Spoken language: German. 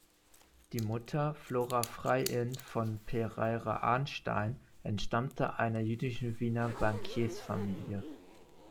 Die Mutter, Flora Freiin von Pereira-Arnstein, entstammte einer jüdischen Wiener Bankiersfamilie.